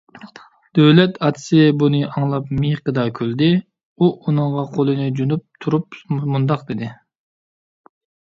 دۆلەت ئاتىسى بۇنى ئاڭلاپ مىيىقىدا كۈلدى. ئۇ ئۇنىڭغا قولىنى جۇنۇپ تۇرۇپ مۇنداق دېدى: